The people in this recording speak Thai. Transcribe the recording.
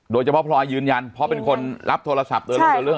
โดยเฉพาะพลอยยืนยันเพราะเป็นคนรับโทรศัพท์